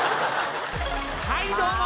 はいどうも！